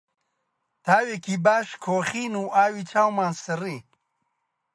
تاوێکی باش کۆخین و ئاوی چاومان سڕی